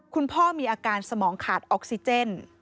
คุณพ่อมีอาการสมองขาดออกซิเจน